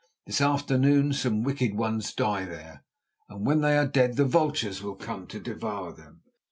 This afternoon some wicked ones die there, and when they are dead the vultures will come to devour them.